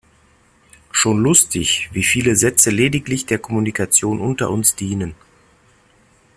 Schon lustig, wie viele Sätze lediglich der Kommunikation unter uns dienen.